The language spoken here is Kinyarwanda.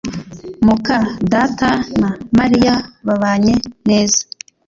muka data na Mariya babanye neza